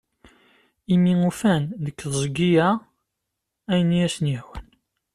Imi ufan deg tezgi-a ayen i asen-yehwan.